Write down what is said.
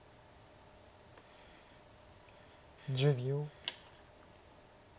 １０秒。